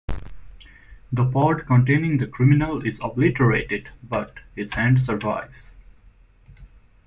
The pod containing the criminal is obliterated-but his hand survives.